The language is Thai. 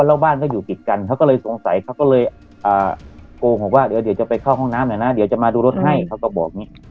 แล้วบ้านก็อยู่ติดกันเขาก็เลยสงสัยเขาก็เลยโกหกว่าเดี๋ยวจะไปเข้าห้องน้ำหน่อยนะเดี๋ยวจะมาดูรถให้เขาก็บอกอย่างนี้